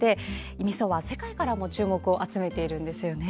みそは、世界からも注目を集めているんですよね。